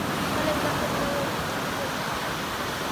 მალევე გახდა კლერკი იუსტიციის სამინისტროში.